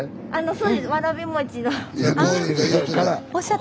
そうですね。